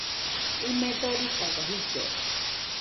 ɨme doritaga jillode